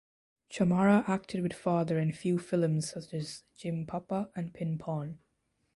Chamara acted with father in few films such as "Jim Pappa" and "Pin Pon".